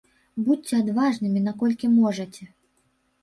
Будзьце адважнымі наколькі можаце.